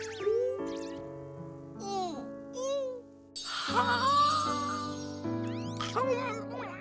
はあ！